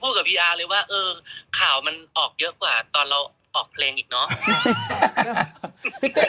กับพี่อาร์เลยว่าเออข่าวมันออกเยอะกว่าตอนเราออกเพลงอีกเนอะ